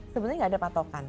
sebenarnya nggak ada patokan